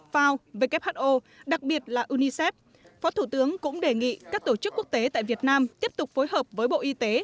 fao who đặc biệt là unicef phó thủ tướng cũng đề nghị các tổ chức quốc tế tại việt nam tiếp tục phối hợp với bộ y tế